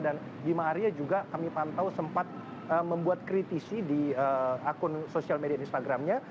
dan abimah arya juga kami pantau sempat membuat kritisi di akun social media instagramnya